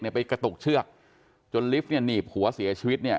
ไปกระตุกเชือกจนลิฟต์เนี่ยหนีบหัวเสียชีวิตเนี่ย